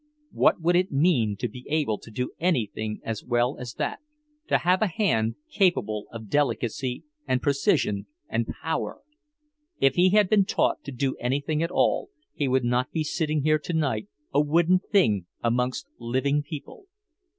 What would it mean to be able to do anything as well as that, to have a hand capable of delicacy and precision and power? If he had been taught to do anything at all, he would not be sitting here tonight a wooden thing amongst living people.